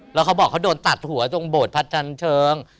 แล้วเขาบอกเขาโดนตัดหัวตรงโบสพัดชันเชิง